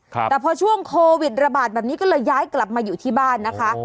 แต่พอช่วงโควิดระบาดแบบนี้ก็เลยย้ายกลับมาอยู่ที่บ้านนะคะ